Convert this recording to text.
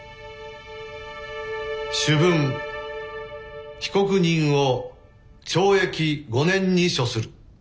「主文被告人を懲役５年に処する。